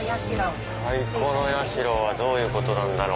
蚕ノ社はどういうことなんだろう？